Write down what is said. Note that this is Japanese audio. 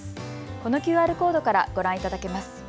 このＱＲコードからご覧いただけます。